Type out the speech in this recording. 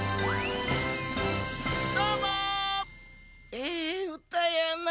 ええうたやな。